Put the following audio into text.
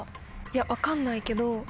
分かんないけど。